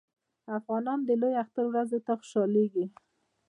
افغانان د اختر ورځو ته خوشحالیږي.